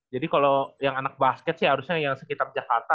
jadi kalo yang anak basket sih harusnya yang sekitar jakarta